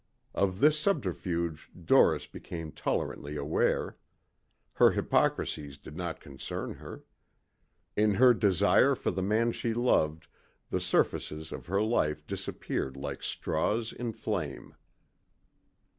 Of this subterfuge Doris became tolerantly aware. Her hypocricies did not concern her. In her desire for the man she loved the surfaces of her life disappeared like straws in flame.